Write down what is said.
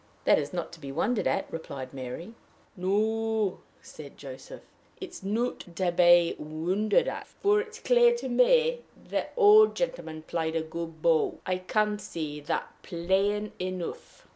"That is not to be wondered at," replied Mary. "No," said Joseph; "it is not to be wondered at; for it's clear to me the old gentleman plied a good bow. I can see that plain enough."